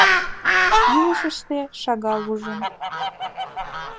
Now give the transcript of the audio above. Илышыште шагал ужын.